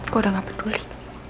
gue udah gak peduli